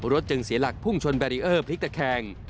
จึงเสียหลักพุ่งชนแบรีเออร์พลิกตะแคง